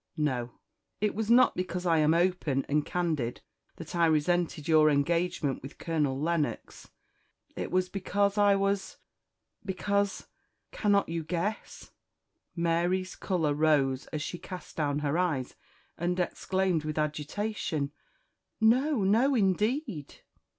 No! It was not because I am open and candid that I resented your engagement with Colonel Lennox; it was because I was because cannot you guess?" Mary's colour rose, as she cast down her eyes, and exclaimed with agitation, "No no, indeed!"